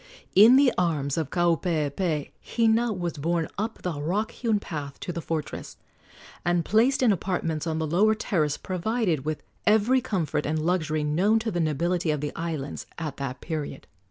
In the arms of Kaupeepee Hina was borne up the rock hewn path to the fortress, and placed in apartments on the lower terrace provided with every comfort and luxury known to the nobility of the islands at that period.